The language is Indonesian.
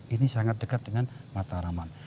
ini sangat dekat dengan mataraman